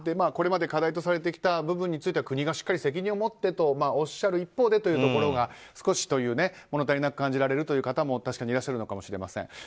これまで課題とされてきた部分については国がしっかり責任をもってとおっしゃる一方でというところが少し、物足りなく感じられる方も確かにいらっしゃるのかもしれません。